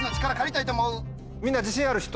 みんな自信ある人？